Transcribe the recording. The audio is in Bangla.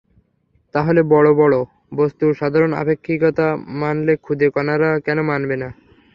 তাহলে বড় বড় বস্তু সাধারণ আপেক্ষিকতা মানলে খুদে কণারা কেন মানবে না?